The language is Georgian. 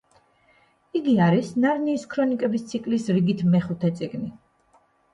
იგი არის ნარნიის ქრონიკების ციკლის რიგით მეხუთე წიგნი.